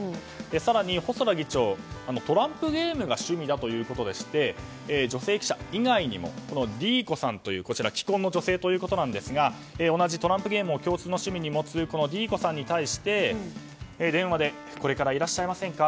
更に細田議長トランプゲームが趣味だということでして女性記者以外にもＤ子さんという既婚の女性だそうですが同じトランプゲームを共通の趣味に持つＤ子さんに対し電話でこれからいらっしゃいませんか？